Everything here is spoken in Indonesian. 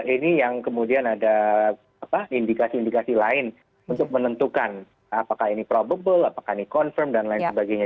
ini yang kemudian ada indikasi indikasi lain untuk menentukan apakah ini probable apakah ini confirm dan lain sebagainya